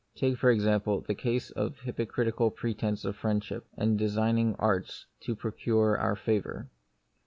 Take, for example, the case of hypo critical pretence of friendship, and designing arts to procure our favour.